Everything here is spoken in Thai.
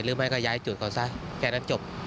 ไม่ก็ย้ายจุดเขาซะแค่นั้นจบ